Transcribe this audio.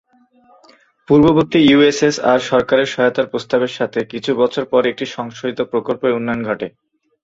পূর্ববর্তী ইউএসএসআর সরকারের সহায়তার প্রস্তাবের সাথে, কিছু বছর পরে একটি সংশোধিত প্রকল্পের উন্নয়ন ঘটে।